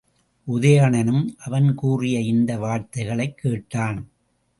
உதயணனும் அவன் கூறிய இந்த வார்த்தைகளைக் கேட்டான்.